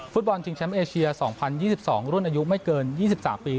ฟุตบอลชิงแชมป์เอเชีย๒๐๒๒รุ่นอายุไม่เกิน๒๓ปี